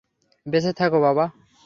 বেঁচে থাকো বাবা।